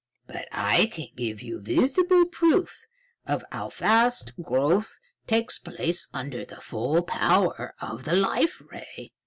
But I can give you visible proof of how fast growth takes place under the full power of the Life Ray.